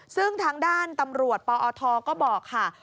ซึ่งทางด้านตำรวจปอทก็บอกค่ะ